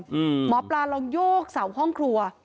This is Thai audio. หมอปลาลองโยกเสาห้องครัว